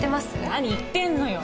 何言ってんのよ！